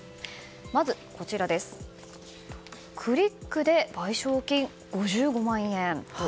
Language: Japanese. まずクリックで賠償金５５万円。